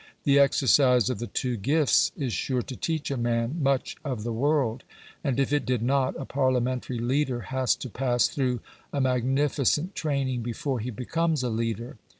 The exercise of the two gifts is sure to teach a man much of the world; and if it did not, a Parliamentary leader has to pass through a magnificent training before he becomes a leader.